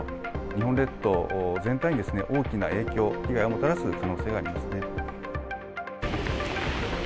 日本列島全体に大きな影響、被害をもたらす可能性がありますね。